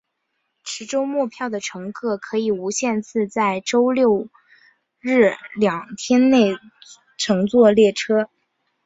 持周末票的乘客可以无限制在周六日两天内乘坐列车。